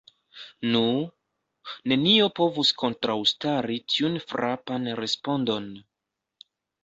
Nu, nenio povus kontraŭstari tiun frapan respondon.